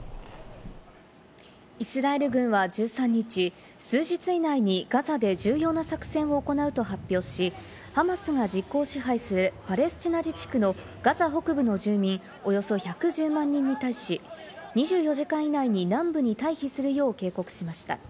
イスラエル軍は１３日、数日以内にガザで重要な作戦を行うと発表し、ハマスが実効支配するパレスチナ自治区のガザ北部の住民およそ１１０万人に達し、２４時間以内に南部に退避するよう警告しました。